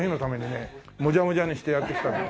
もじゃもじゃにしてやってきたの。